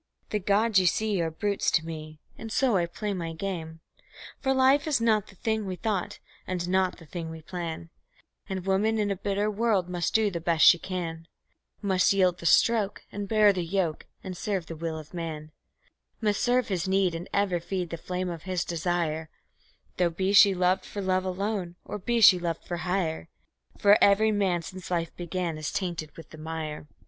The gods, ye see, are brutes to me and so I play my game. For life is not the thing we thought, and not the thing we plan; And Woman in a bitter world must do the best she can Must yield the stroke, and bear the yoke, and serve the will of man; Must serve his need and ever feed the flame of his desire, Though be she loved for love alone, or be she loved for hire; For every man since life began is tainted with the mire.